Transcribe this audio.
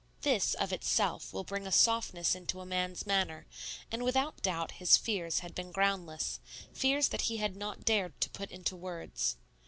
This, of itself, will bring a softness into a man's manner; and without doubt his fears had been groundless, fears that he had not dared to put into words.